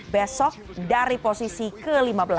dua ribu dua puluh dua besok dari posisi ke lima belas